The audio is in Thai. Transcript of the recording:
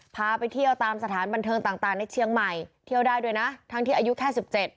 พาไปเที่ยวตามสถานบันเทิงต่างในเชียงใหม่เที่ยวได้ด้วยนะทั้งที่อายุแค่สิบเจ็ด